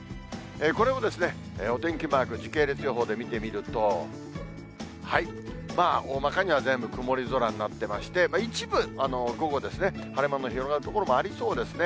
これをお天気マーク、時系列予報で見てみると、まあ、大まかには全部曇り空になってまして、一部、午後ですね、晴れ間の広がる所もありそうですね。